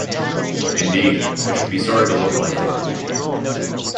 Indeed, I should be sorry to look like him.